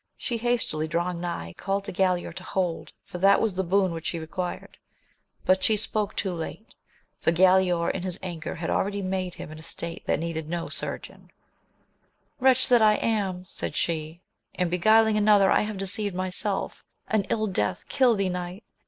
She hastily drawing nigh, called to Galaor to hold, for that was the boon which she required ; but she spoke too Jate, for Galaor iuYii^ ^ii^<6x\L'a.^ ^ct^ s^^ ^saa.^^\sss£L\a. AMADIS OF GAUL 133 a state that needed no surgeon. Wretch that I am ! said she, in beguiling another I have deceived myself, An ill death kill thee, knight